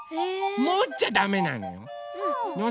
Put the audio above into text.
もっちゃダメなの。